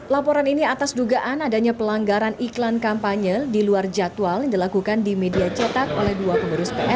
laporan ini atas dugaan adanya pelanggaran iklan kampanye di luar jadwal yang dilakukan di media cetak oleh dua pengurus pns